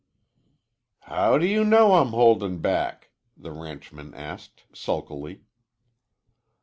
"How do you know I'm holdin' back?" the ranchman asked sulkily.